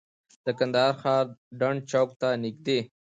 د کندهار ښار ډنډ چوک ته نږدې.